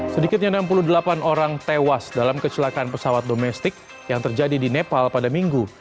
sedikitnya enam puluh delapan orang tewas dalam kecelakaan pesawat domestik yang terjadi di nepal pada minggu